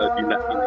atau dina ini